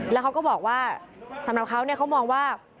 แล้วเขาก็บอกว่าสำหรับเขาเขามองว่า